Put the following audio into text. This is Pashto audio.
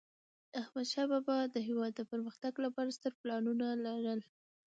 احمدشاه بابا د هیواد د پرمختګ لپاره ستر پلانونه لرل.